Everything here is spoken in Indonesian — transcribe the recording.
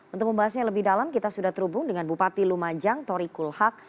untuk membahasnya lebih dalam kita sudah terhubung dengan bupati lumajang tori kulhak